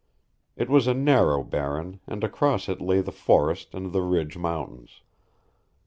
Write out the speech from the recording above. It was a narrow barren and across it lay the forest and the ridge mountains.